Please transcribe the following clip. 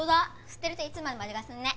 吸ってるといつまでも味がするね。